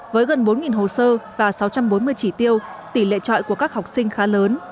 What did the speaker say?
với gần bốn hồ sơ và sáu trăm bốn mươi chỉ tiêu tỷ lệ trọi của các học sinh khá lớn